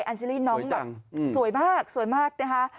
ใช่แอนเชลลี่น้องสวยมากนะคะ